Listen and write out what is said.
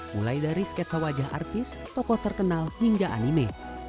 mulai dari sketsa wajah artis tokoh terkenal hingga anime